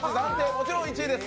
もちろん１位です。